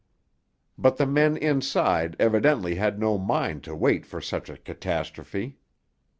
But the men inside evidently had no mind to wait for such a catastrophe.